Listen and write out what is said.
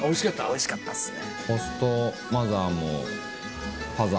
おいしかったっすね。